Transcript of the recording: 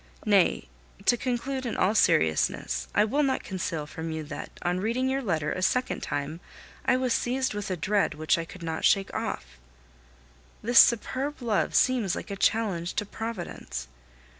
Nay to conclude in all seriousness I will not conceal from you that, on reading your letter a second time, I was seized with a dread which I could not shake off. This superb love seems like a challenge to Providence.